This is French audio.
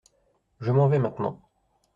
Je m’en vais maintenant.